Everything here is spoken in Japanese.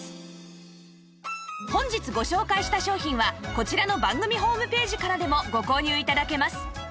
本日ご紹介した商品はこちらの番組ホームページからでもご購入頂けます